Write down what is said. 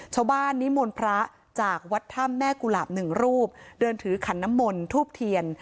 ชาวบ้านนิมนต์พระจากวัดถ้ำแม่กุหลาบหนึ่งรูปเดินถือขันน้ำมนทูบเทียน